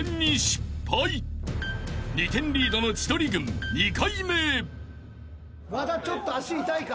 ［２点リードの千鳥軍２回目へ］